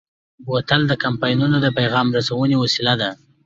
بوتل د کمپاینونو د پیغام رسونې وسیله ده.